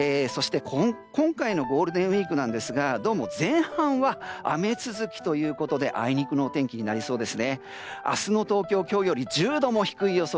今回のゴールデンウィークどうも前半は雨続きということであいにくのお天気になりそうです。